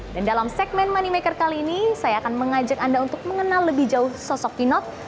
dan dalam segmen moneymaker kali ini saya akan mengajak anda untuk mengenal lebih jauh sosok pinot